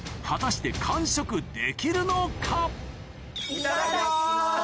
いただきます。